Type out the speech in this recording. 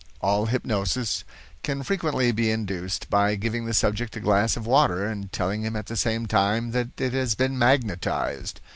"Also hypnosis can frequently be induced by giving the subject a glass of water, and telling him at the same time that it has been magnetized.